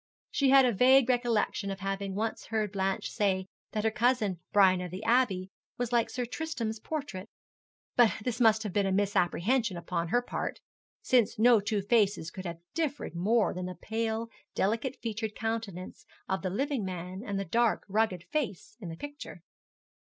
She had a vague recollection of having once heard Blanche say that her cousin Brian of the Abbey was like Sir Tristram's portrait; but this must have been a misapprehension upon her part, since no two faces could have differed more than the pale delicate featured countenance of the living man and the dark rugged face in the picture.